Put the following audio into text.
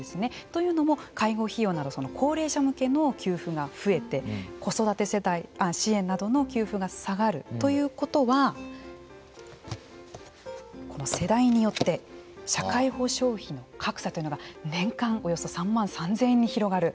というのも介護費用など高齢者向けの給付が増えて子育て支援などの給付が下がるということは世代によって社会保障費の格差というのが年間およそ３万３０００円に広がる。